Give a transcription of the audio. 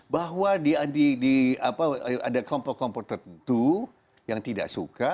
bahwa ada kelompok kelompok tertentu yang tidak suka